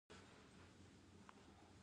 پراخ پرتوګ د پښتنو ملي لباس دی.